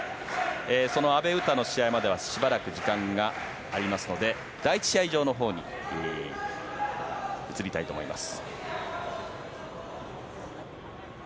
その阿部詩の試合まではまだしばらく時間がありますので第１試合場のほうに移りたいと思います。